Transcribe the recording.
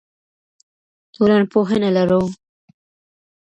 ټولنپوهنه لرو.